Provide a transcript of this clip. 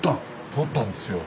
撮ったんですよ。